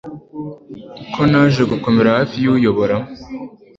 ko naje gukomera hafi yuyobora